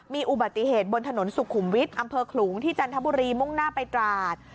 มีอุบัติเหตุบนถนนสุขุมวิทย์อำเภอขลุงที่จันทบุรีมุ่งหน้าไปตราด